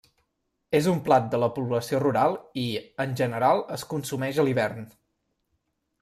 És un plat de la població rural i, en general es consumeix a l'hivern.